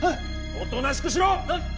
おとなしくしろ！